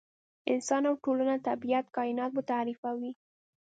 انسان او ټولنه، طبیعت، کاینات به تعریفوي.